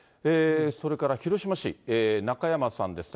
それから広島市、中山さんです。